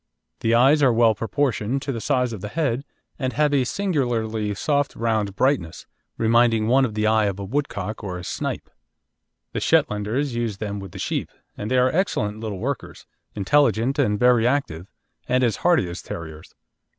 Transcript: The eyes are well proportioned to the size of the head, and have a singularly soft round brightness, reminding one of the eye of a woodcock or a snipe. The Shetlanders use them with the sheep, and they are excellent little workers, intelligent and very active, and as hardy as terriers.